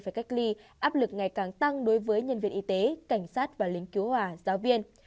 phải cách ly áp lực ngày càng tăng đối với nhân viên y tế cảnh sát và lính cứu hỏa giáo viên